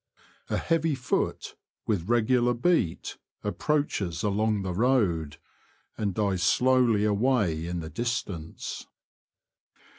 A heavy foot, with regular beat, approaches along the road, and dies slowly away in the distance.